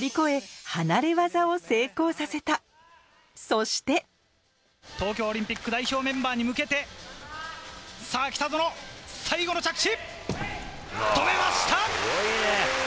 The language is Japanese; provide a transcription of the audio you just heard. そして東京オリンピック代表メンバーに向けてさぁ北園最後の着地！